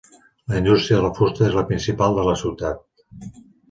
La indústria de la fusta és la principal de la ciutat.